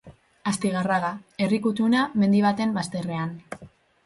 Astigarraga, herri kutuna mendi baten bazterrean.